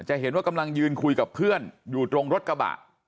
จะเห็นว่ากำลังยืนคุยกับเพื่อนอยู่ตรงรถกระบะ